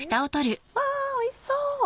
わおいしそう！